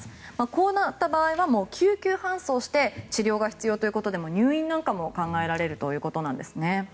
こうなった場合は救急搬送して治療が必要ということで入院なんかも考えられるということです。